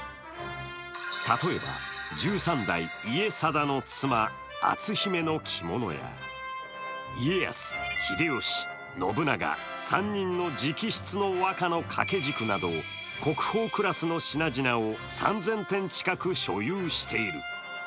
例えば１３代・家定の妻、篤姫の着物や、家康、秀吉、信長、３人の直筆の和歌の掛け軸など国宝クラスの品々を３０００点近く所有している。